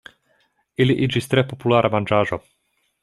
Ili iĝis tre populara manĝaĵo.